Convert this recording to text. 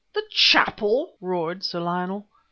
the chapel?" roared Sir Lionel.